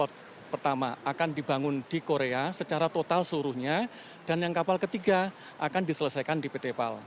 pesawat pertama akan dibangun di korea secara total seluruhnya dan yang kapal ketiga akan diselesaikan di pt pal